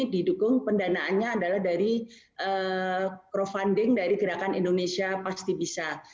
didukung pendanaannya adalah dari crowdfunding dari gerakan indonesia pasti bisa